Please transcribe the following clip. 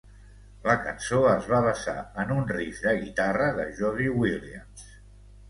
La cançó es va basar en un riff de guitarra de Jody Williams.